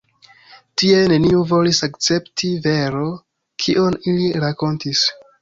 Tie neniu volis akcepti vero, kion ili rakontis.